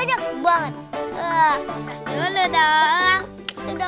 aku bisa beli permen sama coklat juga